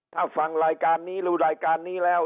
ถ้าฟังรายการนี้รู้รายการนี้แล้ว